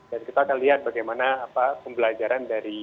jadi kita akan lihat bagaimana pembelajaran dari